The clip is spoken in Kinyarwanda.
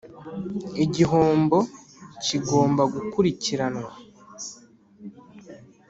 igihombo kigomba gukurikiranwa